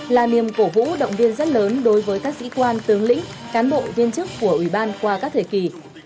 là niềm cổ vũ động viên rất lớn đối với các sĩ quan tướng lĩnh cán bộ viên chức của ủy ban qua các thời kỳ